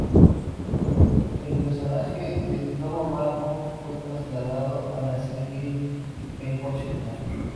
El personaje de Donna Marco fue trasladado a la serie "Baywatch" original.